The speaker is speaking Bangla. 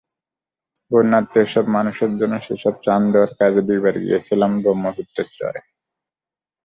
বন্যার্ত এসব মানুষের জন্য সেই ত্রাণ দেওয়ার কাজে দুবার গিয়েছিলাম ব্রহ্মপুত্রের চরে।